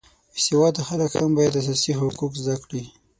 بې سواده خلک هم باید اساسي حقوق زده کړي